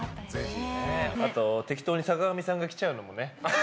あと、適当に坂上さんが来ちゃうのもね。